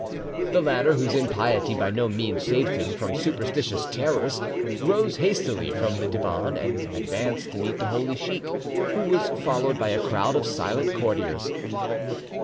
The latter, whose impiety by no means saved him from superstitious terrors, rose hastily from the divan and advanced to meet the holy sheik, who was followed by a crowd of silent courtiers.